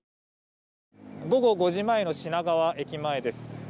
午後５時前の品川駅前です。